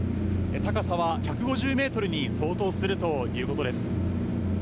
高さは１５０ｍに相当するということです。